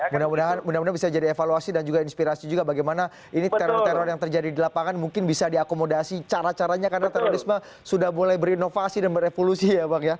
mudah mudahan bisa jadi evaluasi dan juga inspirasi juga bagaimana ini teror teror yang terjadi di lapangan mungkin bisa diakomodasi cara caranya karena terorisme sudah mulai berinovasi dan berevolusi ya bang ya